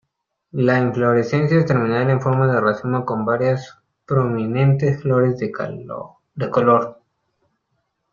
La inflorescencia es terminal en forma de racimo con varias prominentes flores de color.